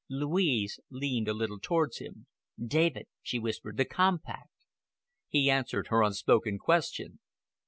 Louise leaned a little towards him. "David," she whispered, "the compact!" He answered her unspoken question.